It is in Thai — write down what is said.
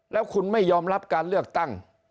แล้วคุณไม่ยอมรับการเลือกตั้ง